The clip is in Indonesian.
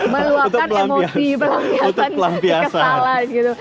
meluangkan emosi pelampiasan kesalahan gitu